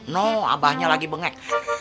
nuh abahnya lagi bengek